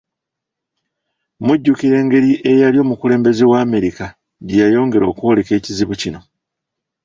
Mujjukira engeri eyali omukulembeze wa Amerika gye yayongera okwoleka ekizibu kino